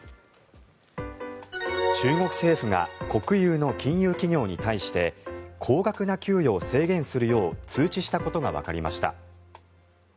中国政府が国有の金融企業に対して高額な給与を制限するよう通知したことがわかりました。